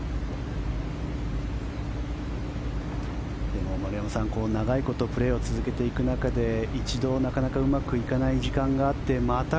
でも丸山さん、長いことプレーを続けていく中で一度、なかなかうまくいかない時間があってまた